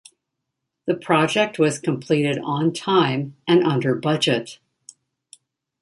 The project was completed on time and under budget.